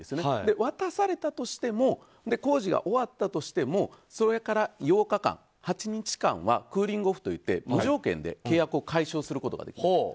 そして渡されたとしても工事が終わったとしてもそれから８日間はクーリングオフと言って無条件で契約を解消することができます。